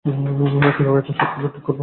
আমরা কীভাবে এখন সবকিছু ঠিক করব?